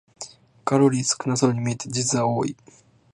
カロリー少なそうに見えて実は多い